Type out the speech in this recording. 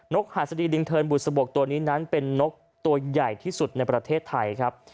กหัสดีลิงเทินบุษบกตัวนี้นั้นเป็นนกตัวใหญ่ที่สุดในประเทศไทยครับ